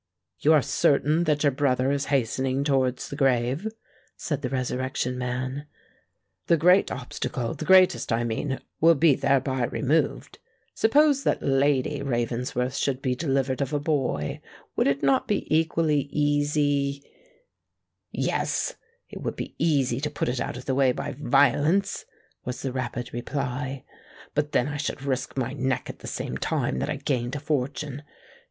"You are certain that your brother is hastening towards the grave?" said the Resurrection Man. "The great obstacle—the greatest, I mean—will be thereby removed. Suppose that Lady Ravensworth should be delivered of a boy, would it not be equally easy——" "Yes—it would be easy to put it out of the way by violence," was the rapid reply; "but, then, I should risk my neck at the same time that I gained a fortune.